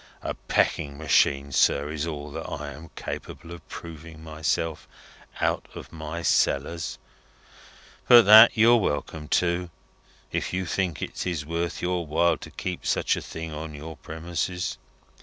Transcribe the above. A pecking machine, sir, is all that I am capable of proving myself, out of my cellars; but that you're welcome to, if you think it is worth your while to keep such a thing on your premises."